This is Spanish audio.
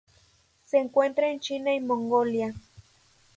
Se encuentra en China y Mongolia.